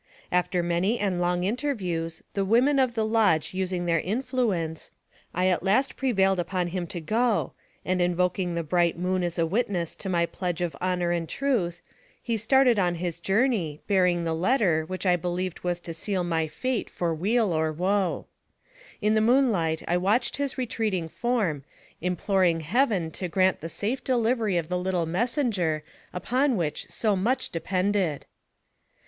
After many and long interviews, the women of the lodge using their influence, I at last prevailed upon him to go, and invoking the bright moon as a witness to my pledge of honor and truth, he started on his journey, bearing the letter, which I believed was to seal my fate for weal or wo. In the moonlight I watched his retreating form, imploring Heaven to grant the safe delivery of the little messenger, upon which so much depended.